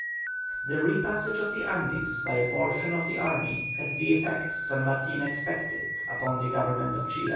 The repassage of the Andes by a portion of the army had the effect San Martin expected upon the Government of Chile.